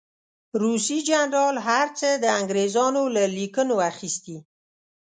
روسي جنرال هر څه د انګرېزانو له لیکنو اخیستي.